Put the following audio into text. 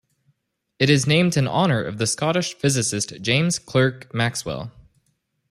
It is named in honour of the Scottish physicist James Clerk Maxwell.